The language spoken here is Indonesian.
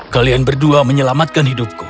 kalian berdua menyelamatkan hidupku